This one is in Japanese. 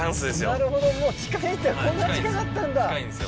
なるほどもう近いんだこんな近かったんだ。